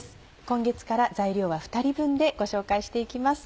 今月から材料は２人分でご紹介して行きます。